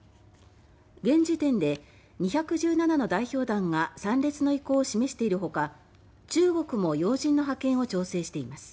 現時点で２１７の代表団が参列の意向を示しているほか中国も要人の派遣を調整しています。